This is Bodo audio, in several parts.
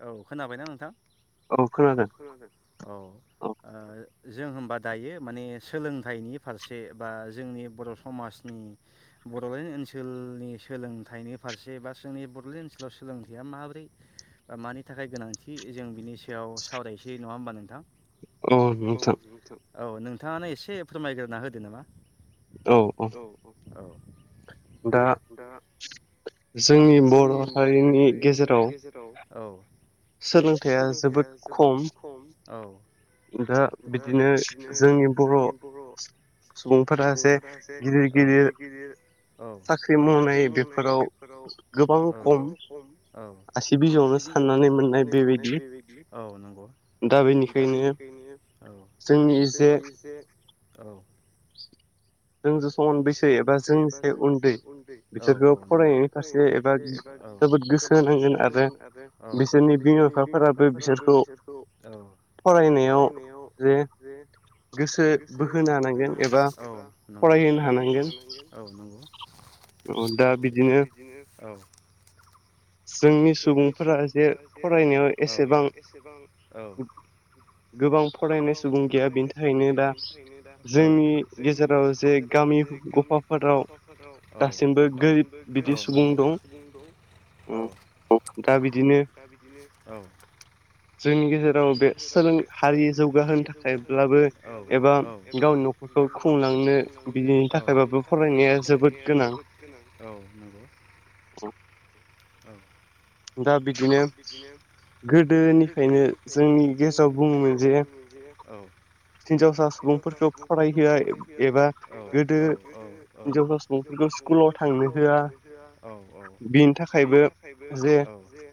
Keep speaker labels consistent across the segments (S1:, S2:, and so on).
S1: औ खोनाबायना नोंथां? औ खोनादों औ ओ। जों होनबा दायो माने सोलोंथाइनि फारसे बा जोंनि बर' समाजनि बड'लेण्ड ओनसोलनि सोलोंथाइनि फारसे बा जोंनि बड'लेण्ड ओनसोलाव सोलोंथाइया माबोरै मानि थाखाय गोनांथि जों बिनि सायाव सावरायनोसै नङा होमबा नोंथां। औ औ नोंथाङानो एसे फोरमायग्रोना होदो नामा। औ औ औ।
S2: दा जोंनि बर' हारिनि गेजेराव
S1: [inaudible] औ [inaudible] औ।
S2: दा बिदिनो जोंनि बर'।
S1: मुं फोरा जे गिदिर गिदिर। साख्रि मावनाय बेफोराव गोबां खम औ। आसि बिजौआवनो साननानै मोननाय बेबायदि औ नंगौ। दा बेनिखायनो औ जोंनि एसे औ।
S2: जोंजों समान बैसो एबा जोंनिसाय उन।
S1: उन्दैयाव फरायनायनि फारसे एबा जोबोद गोसो होनांगोन आरो। बिसोरनि बिमा बिफाफोराबो बिसोरखौ औ।
S2: फरायनायाव जे। गोसो बोहोनो हानांगोन एबा फराय।
S1: फरायहोनो हानांगोन औ नंगौ।
S2: अ दा बिदि नो।
S1: जोंनि सुबुंफोरा जे मयाव एसेबां औ।
S2: गोबां फरायनाय सुबुं गैया बेनि थाखायनो दा जोंनि गेजेराव जे गामि।
S1: गामि गफा फोराराव। औ गासिबो औ नंगौ औ। औ दाबिदिनो औ।
S2: जोंनि गेजेराव बे सोलों हारि जौगाहोनो थाखायब्लाबो एबा गावनो। न'खर खुंलांनो बिनि थाखायबाबो फरायनाया जोबोद गोनां।
S1: जोबोद गोनां औ नंगौ औ। दा बिदिनो। गोदोनिफ्रायनो जों गेजेराव बुङो मोन जे औ।
S2: हिनजावसा सुबुंफोरखौ फरायहोआ एबा गोदो हिनजावसा सुबुं।
S1: सुबुंफोरखौ स्कुलाव थांनो होआ औ औ बेनि थाखायबो। औ जे।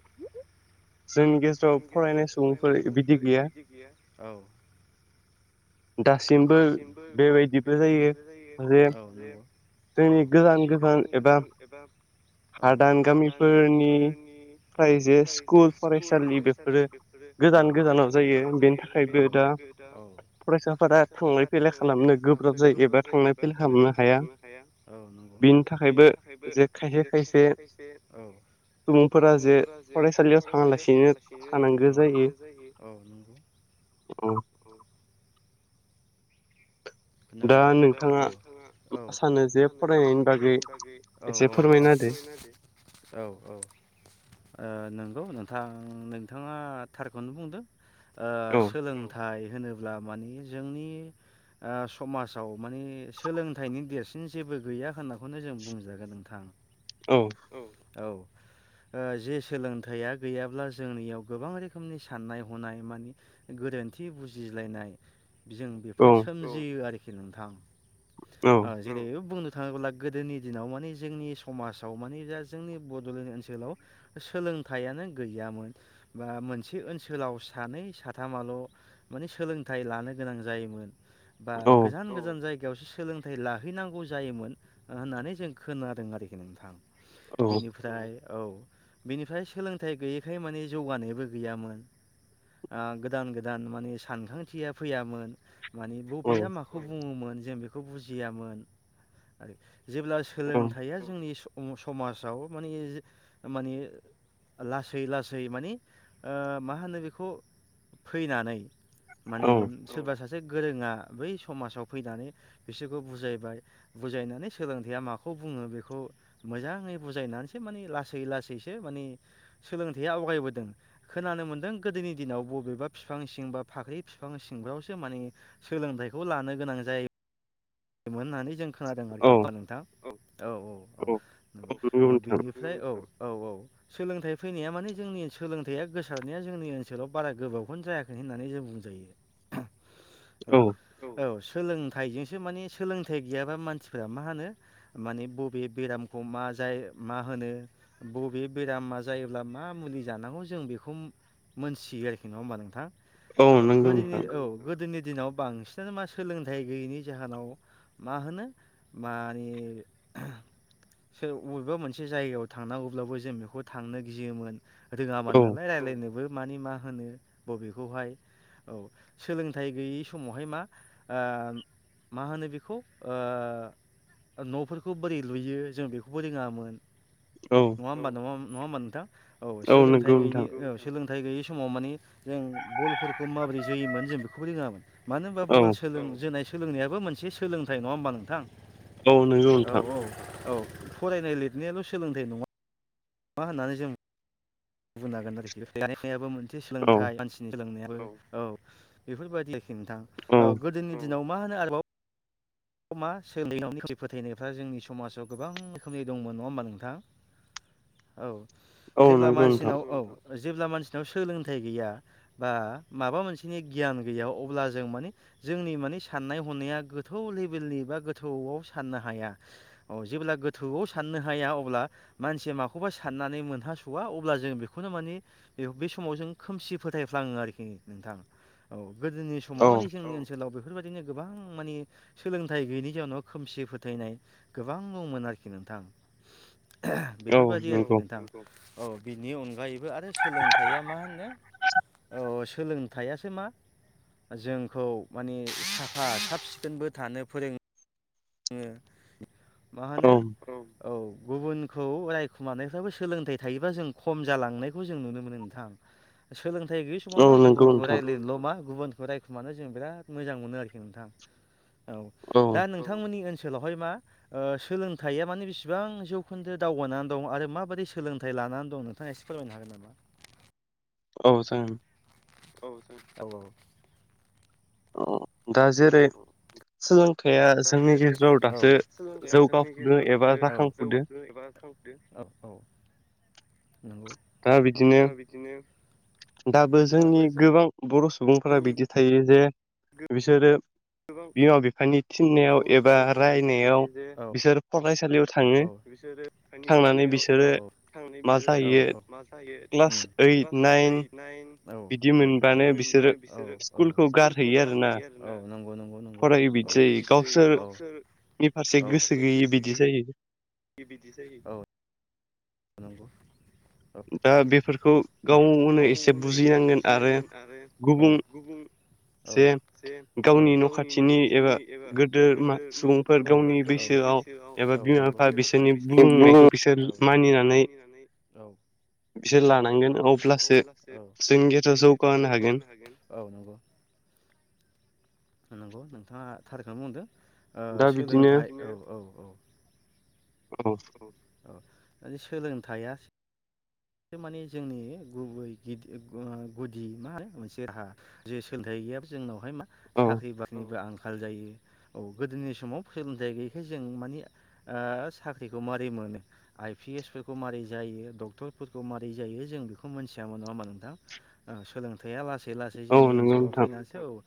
S1: जोंनि गाव फरायनाय सुबुंफोर बिदि गैया औ। दासिमबो बेबायदिबो जायो औ जे। औ जोंनि गोजान गोजान एबा औ हादान गामिफोरनि। बे निफाय जे स्कुल फरायसालि बेफोरो गोजान गोजानाव जायो औ एनिफ्राय दा।
S2: फरायसाफोरा थांलाय फैलाय खालामनो गोब्राब जायो एबा थांलाय फैलाय खालामनो हाया।
S1: औ नंगौ बिनि थाखायबो जे खायसे खायसे औ। सुबुंफोरा जे फरायसालियाव थाङालासिनो थानांगौ जायो।
S2: औ।
S1: नंगौ दा नोंथाङा औ सानो जे फरायनायनि बागै औ औ औ। औ औ ओ नों। नंगौ नोंथां नोंथाङा थारखौनो बुंदों ओ सोलोंथाइ। होनोब्ला माने जोंनि। ओ समाजाव माने सोलोंथाइनि देरसिन जेबो गैया होननाखौनो जों बुंजागोन नोंथां। औ औ।
S2: [inaudible]
S1: जे सोलोंथाइया गैयाब्ला जोंनियाव गोबां रोखोमनि साननाय हनाय मानि गोदोनि गोरोन्थि बुजिलायनाय जों बेफोरो सोमजियो आरोखि नोंथां जेरै बुं थाङोब्ला गोदोनि दिनाव माने जोंनि समाज माने जा जोंनि बड'लेण्ड ओनसोलाव सोलोंथाइयानो गैयामोन बा मोनसे बे ओनसोलाव सानै साथामाल' माने सोलोंथाइ लानो गोनां जायोमोन बा गोजान गोजान जायगा यावसो सोलोंथाइ लाहैनांगौ जायोमोन होननानै जों खोनादों आरोखि नोंथां बेनिफ्राय औ बिनिफ्राय सोलोंथाइ गैयैखाय माने जौगानायबो गैयामोन ओ गोदान गोदान माने सानखांथिया फैयामोन माने बबेया माखौ बुङोमोन जों बेखौ बुजियामोन आरो जेब्ला सोलोंथाइया जोंनि समाजाव माने माने लासै लासै माने माहोनो बेखौ फैनानै माने सोरबा सा से गोरोङा बै समाजाव फैनानै बिसोरखौ बुजायबाय बुजायनानै सोलोंथाइया माखौ बुङो बुङो बेखौ मोजाङै बुजायनानैसो माने लासै लासैसो माने सोलोंथाइया आवगायबोदों खोना मोनदों गोदोनि दिनाव बबेबा बिफां सिं बा फाख्रि बिफां सिंफ्रावसो माने सोलोंथाइखौ ला नो गोनां जायोमोन मोन होननानै जों खोनादों नङा होनबा नोंथां औ औ औ औ बेनिफ्राय औ औ औ सोलोंथाइ फैनाया माने जोंनि सोलोंथाइया गोसारनाया जोंनि ओनसोलाव बारा गोबावखौनो जायाखै होननानै जों बुंजायो
S2: [inaudible]
S1: औ औ सोलोंथाइजोंसो मानि सोलोंथाइ गैयाबा मानसिफोरा मा होनो माने बबे बेरामखौ मा जायो मा होनो बबे बेरामा जायोब्ला मा मुलि जानांगौ जों बेखौ मोनथिगोन नङा होमबा नोंथां? गोदोनि औ गोदोनि दिनाव बांसिनानो मा सोलोंथाइ गैयैनि जाहोनाव मा होनो मानि सोर अबेबा मोनसे जायगायाव थांनांगौब्लाबो जों बेखौ थांनो गियोमोन रोङामोन नालाय रायज्लायनोबो मानि मा होनो बबेखौहाय औ सोलोंथाइ गैयि समावहाय मा ओ मा होनो बेखौ बेखौ ओ न'फोरखौ बोरै लुयो जों बेखौबो रोङामोन नङा होमबा नङा होनबा नोंथां औ सोलोंथाइ गैयिनि औ सोलों थाय गैयि समाव मानिे जों बल फोर माबोरै जोयोमोन जों बेखौबो रोङामोन मानो होनबा बल सोलों जोनाय सोलोंनायाबो मोनसे सोलोंथाइ नङा होमबा नोंथां औ औ औ फरायनाय लिरनायाल' सोलोंथाइ नङा मा होननानै जों बुंना लागोन [unintelligible] आबो मोनसे सोलोंथाइ मानसिनि सोलोंनाया औ बेफोरबायदि आरोखि नोंथां औ गोदोनि दिनाव मा होनो आरोबाव मा सोलि फोथायनायफ्रा जोंनि समाजाव गोबां रोखोमनि दंमोन नङा होमबा नोंथां औ जेब्ला मानसिनाव औ जेब्ला मानसिनाव सोलोंथाइ गैया बा माबा मोनसेनि गियान गैया अब्ला जों माने जोंनि माने साननाय हनाया गोथौलेबे बेलनि बा गोथौआव साननो हाया अ जेब्ला गोजौआव साननो हाया अब्ला मानसि माखौबा साननानै मोनहास'वा अब्ला जों बेखौनो माने बे समाव जों खोमसि फोथायफ्लाङो आरो खि नोंथां औ गोदोनि समाव माने जोंनि ओनसोलाव बेफोरबायदिनो गोबां मानि सोलोंथाइ गैयैनि जाउनाव खोमसि फोथायनाय गोबां दंमोन आरोखि नोंथां बेफोरबायदि आरोखि नोंथां औ बिनि अनगायैबो आरो सोलोंथाइया मा होनो औ सोलोंथाइयासो मा जोंखौ माने साफा साब सिखोनबो थानो फोरोंङो मा होनो औ गुबुनखौ रायखुमानायफ्राबो सोलोंथाइ थायोबा जों खम जालांनायखौ जों नुनो मोनो नोंथां सोलोंथाइ गैयि समा मा गुबुनखौ रायज्लायनोल' मा गुबुनखौ रायखुमानो जों बिराद मोजां मोनो आरोखि नोंथां औ दा नों। जोंनि ओनसोलावहाय मा सोलोंथाइया माने बिसेबां जौखोन्दो दावगानानै दं आरो माबादायै सोलों सोलोंथाइ लानानै दं नोंथाङा एसे फोरमायनो हागोन नामा?
S2: औ जों
S1: औ सार औ औ
S2: दा जेरै सोलोंथाइया जोंनि गेजेराव दासो जौगाफुदों एबा जाखांफुदो
S1: खावदो औ औ दा बिदिनो
S2: दाबो जोंनि गोबां बर' सुबुंफोरा बिदि थायो जे बिसोरो बिमा बिफानि थिननायाव एबा रायनायाव बिसोर फरायसालियाव
S1: बिसोरो आंनि थिनायाव एबा थांनो बिसोरो मा जायो क्लास ओइट नाइन बिदि मोनबाय बिसोरो स्कुलखौ गारहैयो आरो [unintelligible] गावसोर
S2: नि फारसे गोसो गैयि बिदि जायो।
S1: बि बायदि जायो औ। [unintelligible] गावनो एसे बुजिनांगोन आरो गुबुं औ जे गावनि न' खाथिनि एबा गोदो सुबुंफोर गावनि बैसोआव एबा बिमा बिफा बि मानिनानै औ बिसोर लानांगोन अब्लासो जों जिहेथु' जौगाहोनो‌हागोन औ। नंगौ नोंथाङा थारखौनो बुंदों सोलोंथाइ औ औ औ
S2: औ
S1: औ माने सोलोंथाइया माने जोंनि गुबै गि गुदि मा होनो मोनसे राहा जे सोलोंथाइ या जोंनावहाय मा साख्रि बाख्रिनिबो आंखाल जायो औ गोदोनि समाव सोलोंथाइ गैयिखाय जों मानि साख्रिखौ मारै मोनो आइ पि एसखौ मारै जायो डक्टर फोरखौ मारै जायो जों बेखौ मिथियामोन नङा होमा नोंथां सोलोंथाइया लासै लासै लासै जोंनि ओनसोलाव फैनानैसो औ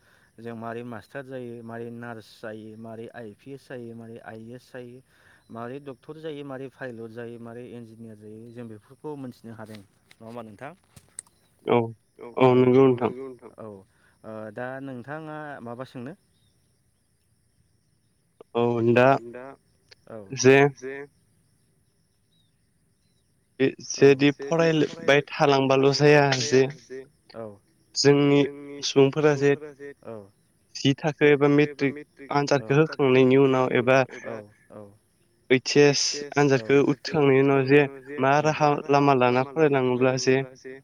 S1: जों मारै मास्टार जायो मारै नार्स जायो मारै आइ पि एस जायो मारै आइ ए एस जायो। मारै डक्टर जायो मारै पायलट जायो मारै इन्जिनियार जायो जों बेफोरखौ खौ मोनथिनो हादों नङा होनबा नोंथां औ औ औ नंगौ औ दा नोंथाङा माबा सोंनो? औ दा औ ए जे औ जेदि फरायबाय थालांबाल' जाया जे औ जोंनि सुबुंफोरा जे औ जि थाखो एबा मेट्रिक आनजादखौ होखांनायनि उनाव एबा औ
S2: ओइस एस आनजादखौ उथ्रिखांनायनि उनाव जे मा
S1: मा राहा लामा लाना फरायलाङोब्ला जे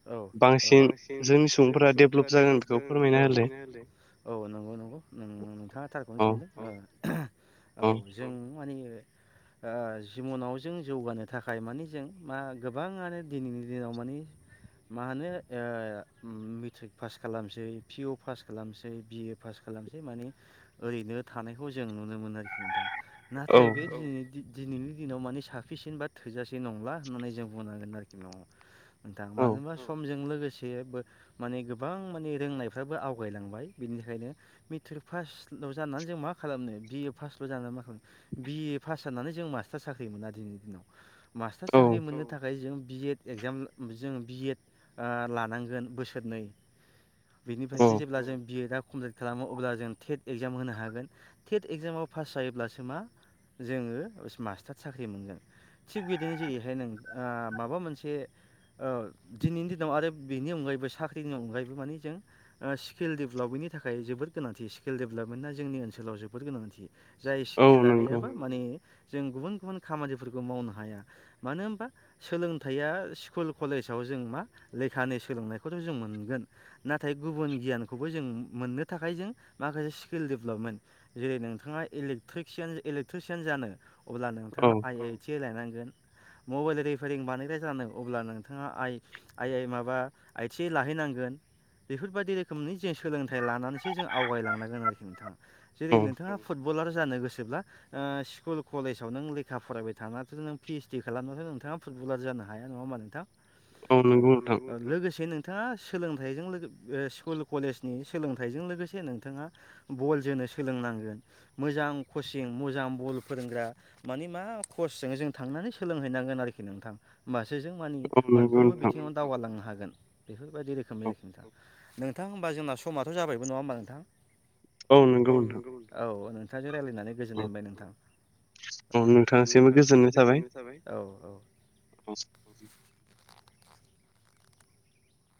S1: बांसिन जोंनि सुबुंफोरा। औ नंगौ नंगौ नोंथाङा थारखौनो सोंदों। औ जों माने जिबनाव जों जौगानो थाखाय माने जों मा गोबाङानो दिनैनि दिनाव माने मा होनो मेट्रिक पास खालामसै पिअ पास खालामसै बिए पास खालाम खालामसै माने ओरैनो थानायखौ जों नुनो मोनो आरोखि। नाथाय बे दिन दिनैनि दिनाव माने साफिसेन्ट बा थोजासे नंला। होननानै जों बुंनो हांगोन आरोखि न' नोंथाङा मानो होनबा समजों लोगो लोगोसेबो माने गोबां माने रोंनायफ्राबो आवगायलांबाय बिनि थाखायनो मेट्रिक पास सल' जानानै जों मा खालामनो बि ए पासल' जानानै मा खालामनो बिए पास जानानै जों मास्टार साख्रि मोनो आरो खि मास्टार सा साख्रि मोननो थाखाय जों बि एड एग्जाम जों बि एड लानांगोन बोसोरनै
S2: [inaudible]
S1: बिनिफ्रायसो जेब्ला जों बिएड आ कमप्लिट खालामो अब्ला जों टेट एगजाम होनो हागोन टेट एक्जामाव पास जायोब्लासो मा जोङो मास्टार साख्रि मोनगोन थिग बिदिनो जेरै बे नों माबा मोनसे ओ दिनैनि दिनाव आरो बेनि अनगायैबो साख्रिनि अनगायैबो मानि जों स्किल डेभेलपमनि नि थाखाय जोबोर गोनांथि स्किल देभेलपमेन्टा जोंनि ओनोलाव जोबोद गोनांथि जाय स्किला गैयाबा माने जों गुबुन गुबुन खामानिफोरखौ मावनो हाया मानो होनबा सोलोंथाइया स्कुल कलेजाव जों मा लेखानि सोलोंनायखौथ' जों मोनगोन नाथाय गुबुन गियानखौबो जों मोननो थाखाय जों माखासे स्किल डेभेलपमेन्ट जेरै नोंथाङा इलेक्ट्रिसियान इलेक्ट्रिसियान जानो अब्ला नोंथाङा आइ आइ टि होलायनांगोन मबाइल रिपेरिं बानायग्रा जादों अब्ला नोंथाङा आइ आइ माबा आइथि आइ लाहैनांग गोन बेफोरबायदि रोखोमनि जों सोलोंथ थाइ लानानैसो जों आवगायलांनांगोन आरो खि नोंथां जेरै नोंथाङा फुटबल बलार जानो गोसोब्ला ओ स्कुल कलेजाव नों लेखा फरायबाय थानाथ' नों फिस दि खालामबथ' नोंथाङा फुटबलार जानो हाया नङा होमा नोंथां औ लोगोसे नोंथ नोंथाङा सोलोंथाइजों लोगो ओ स्कुल कलेजनि सोलोंथाइजों लोगोसे नोंथाङा बल जोन सोलोंनांगोन मोजां कचिं मोजां बल फोरोंग्रा मानि मा कचजों जों थांनानै सो सोलोंहैनांगोन आरोखि नोंथां होमबासो जों मानिे मोनफ्रोमबो बिथिङाव दावगालांनो हागोन जागोन बेफोरबायदि रोखोमनि आरोखिना नोंथां होमबा जोंना समथ' जाबायबो नङा होमबा नोंथां औ नंगौ औ नों रायलायनानै गोजोननाय मोनबाय नोंथां औ नोंथांबोजोंबो गोजोन्नाय थाबाय औ-औ